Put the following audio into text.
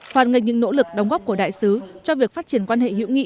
hoàn ngành những nỗ lực đóng góp của đại sứ cho việc phát triển quan hệ hữu nghị